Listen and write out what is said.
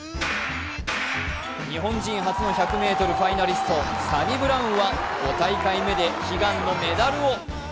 日本人初の１００ｍファイナリストサニブラウンは５大会目で悲願のメダルを。